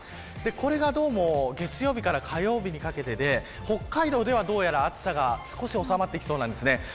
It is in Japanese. これがどうも月曜日から火曜日にかけてで北海道では、どうやら暑さが少し収まってきそうです。